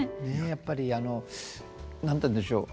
やっぱりあの何て言うんでしょう